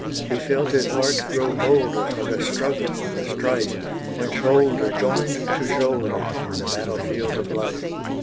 He felt his heart grow bolder For the struggle and the strife, When shoulder joined to shoulder, In the battle field of life.